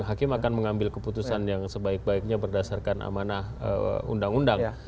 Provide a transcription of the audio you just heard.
hakim akan mengambil keputusan yang sebaik baiknya berdasarkan amanah undang undang